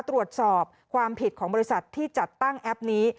ตรวจสอบความผิดของบริษัทที่จัดตั้งแอปนี้